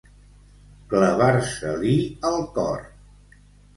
Clavar-se-li al cor.